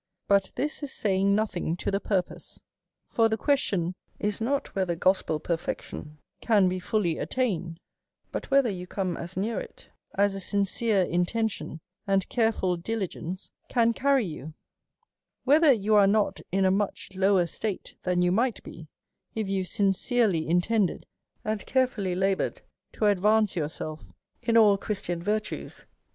But this is saying nothing •to the purpose. For the question is not whether gos pel perfection can be fully attained ; but whether you come as near it as a sincere intention and careful dili gence can carry you ; whether you are not in a much lower state than you might be, if you sincerely intend ed and carefully laboured to advance yourself in all Christian virtues.